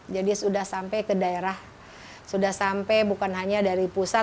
jadi sudah sampai ke daerah sudah sampai bukan hanya dari pusat